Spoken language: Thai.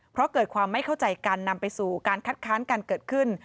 เพราะเกิดความไม่เข้าใจกันนำไปสู่การคัดค้านการเกิดขึ้น